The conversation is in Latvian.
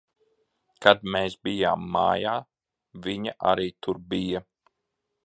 Kad mēs bijām mājā, viņa arī tur bija.